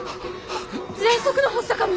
ぜんそくの発作かも！